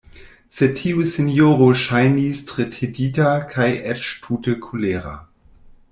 Sed tiu sinjoro ŝajnis tre tedita, kaj eĉ tute kolera.